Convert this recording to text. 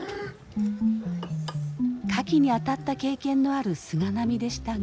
カキにあたった経験のある菅波でしたが。